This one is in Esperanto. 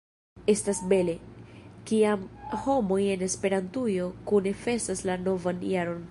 Estas bele, kiam homoj en Esperantujo kune festas la novan jaron.